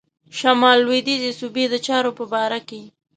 شمال لوېدیځي صوبې د چارو په باره کې.